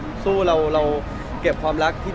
พี่พอร์ตทานสาวใหม่พี่พอร์ตทานสาวใหม่